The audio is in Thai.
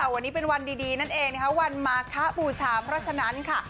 วันนี้เป็นวันดีนั่นเองนะคะวันมาคะบูชาเพราะฉะนั้นค่ะ